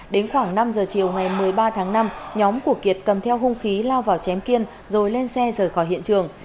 đến khoảng năm giờ chiều ngày một mươi ba tháng năm nhóm của kiệt cầm theo hung khí lao vào chém kiên rồi lên xe rời khỏi hiện trường